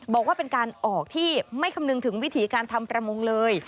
บอกว่าเป็นการออกที่ไม่คำนึงถึงวิถีการทำประมงเลย